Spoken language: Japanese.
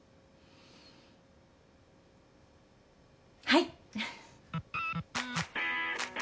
はい。